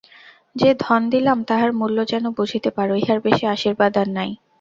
যে ধন দিলাম তাহার মূল্য যেন বুঝিতে পার, ইহার বেশি আশীর্বাদ আর নাই।